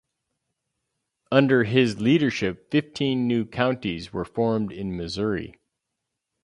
Under his leadership fifteen new counties were formed in Missouri.